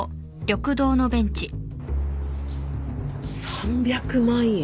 ３００万円？